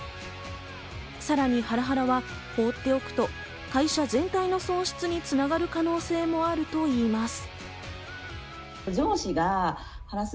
さらにハラハラは放っておくと会社全体の損失に繋がる可能性もあるといいます。